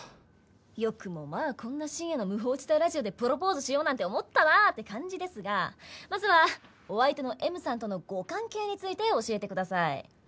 よくもまあこんな深夜の無法地帯ラジオでプロポーズしようなんて思ったなって感じですがまずはお相手のＭさんとのご関係について教えてください。